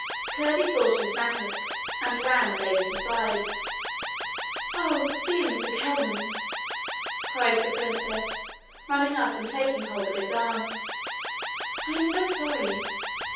Curdie thought of his mattock, and ran and laid it aside. 'Oh, dear Dr Kelman!' cried the princess, running up and taking hold of his arm; 'I am so sorry!'